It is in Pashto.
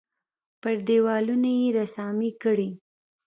پر دېوالونو یې رسامۍ کړي.